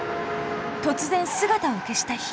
突然姿を消した光。